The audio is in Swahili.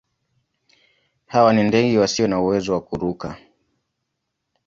Hawa ni ndege wasio na uwezo wa kuruka.